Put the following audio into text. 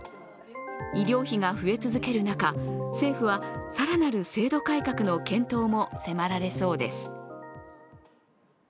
医療費が増え続ける中、政府は更なる制度改革の検討も迫られそうです。